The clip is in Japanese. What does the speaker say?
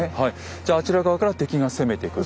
じゃああちら側から敵が攻めてくる。